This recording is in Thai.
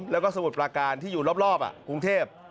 แล้วก็สมุทรปราการที่อยู่รอบกรุงเทพ